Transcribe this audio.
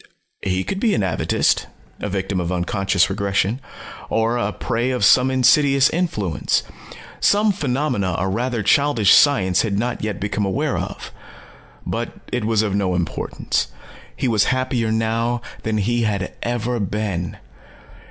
He could be an atavist, a victim of unconscious regression. Or a prey of some insidious influence, some phenomena a rather childish science had not yet become aware of. But it was of no importance. He was happier now than he had ever been.